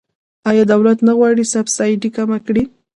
آیا دولت نه غواړي سبسایډي کمه کړي؟